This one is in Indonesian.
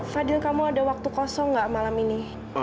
fadil kamu ada waktu kosong nggak malam ini